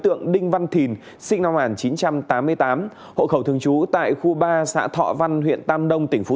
tượng đinh văn thìn sinh năm một nghìn chín trăm tám mươi tám hộ khẩu thường trú tại khu ba xã thọ văn huyện tam đông tỉnh phú